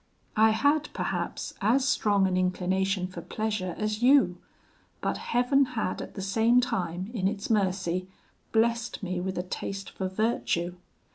I had, perhaps, as strong an inclination for pleasure as you, but Heaven had at the same time, in its mercy, blessed me with a taste for virtue.